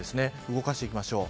動かしていきましょう。